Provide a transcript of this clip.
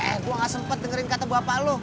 eh gue gak sempet dengerin kata bapak lo